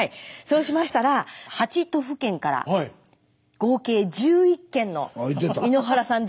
そうしましたら８都府県から合計１１件の井ノ原さん